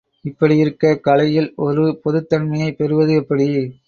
இப்படியிருக்கக் கலையில் ஒரு பொதுத் தன்மையை பெறுவது எப்படி?